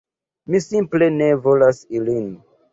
Ni simple ne volas ilin.